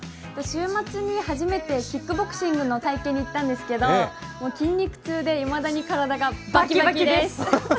週末に初めてキックボクシングの体験に行ったんですけど筋肉痛で、いまだに体がバキバキです！